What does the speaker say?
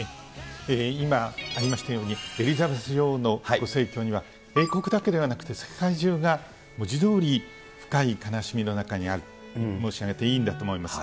今、ありましたように、エリザベス女王のご逝去には英国だけではなく、世界中が文字どおり深い悲しみの中にあると申し上げていいんだと思います。